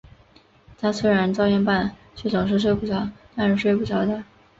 他虽然照样办，却总是睡不着，当然睡不着的